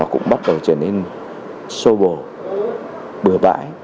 cũng bắt đầu trở nên sâu bồ bừa bãi